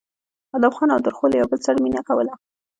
ادم خان او درخو له د بل سره مينه کوله